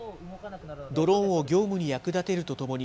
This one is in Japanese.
ドローンを業務に役立てるとともに、